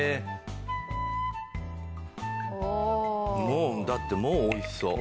もうだってもう美味しそう。